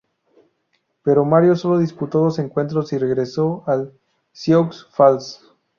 Pero Mario sólo disputó dos encuentros y regresó al Sioux Falls.